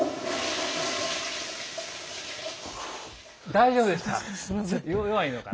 大丈夫ですか？